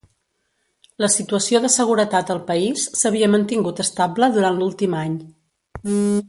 La situació de seguretat al país s'havia mantingut estable durant l'últim any.